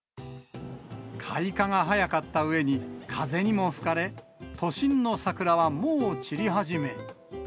開花が早かったうえに、風にも吹かれ、都心の桜はもう散り始め。